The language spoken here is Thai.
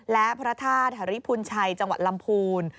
และพระธาตุหริพุนชัยจังหวัดลำพูน